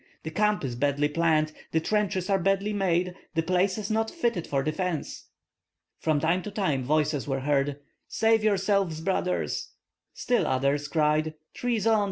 "The camp is badly planned, the trenches are badly made, the place is not fitted for defence." From time to time voices were heard: "Save yourselves, brothers!" Still others cried: "Treason!